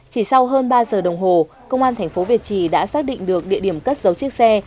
chỉ sau hơn ba giờ đồng hồ công an tp việt trì đã xác định được địa điểm cất giấu chiếc xe